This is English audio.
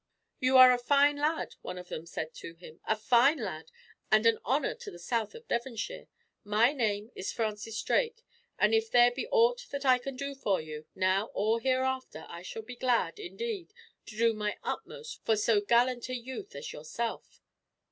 "You are a fine lad," one of them said to him. "A fine lad, and an honor to the south of Devonshire. My name is Francis Drake, and if there be aught that I can do for you, now or hereafter, I shall be glad, indeed, to do my utmost for so gallant a youth as yourself."